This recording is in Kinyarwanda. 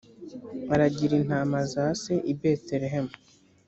aragira intama za se i betelehemu